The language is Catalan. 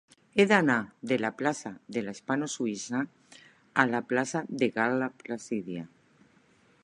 He d'anar de la plaça de la Hispano Suïssa a la plaça de Gal·la Placídia.